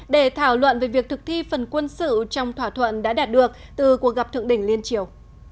để thảo luận về việc thực thi phần quân sự trong thỏa thuận đã đạt được từ cuộc gặp thượng đỉnh liên triều